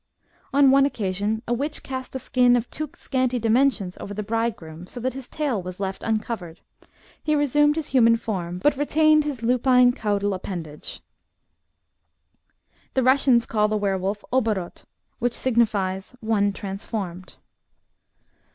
On one occasion, a witch cast a skin of too scanty dimensions over the bride groom, so that his tail was left uncovered : he resumed his human form, but retained 'his lupine caudal appendage. FOLK LORE RELATING TO WERE WOLVES. 117 The Russians call the were wolf oborot, which signifies " one transformed.'